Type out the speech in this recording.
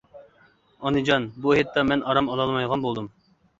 -ئانىجان، بۇ ھېيتتا مەن ئارام ئالالمايدىغان بولدۇم.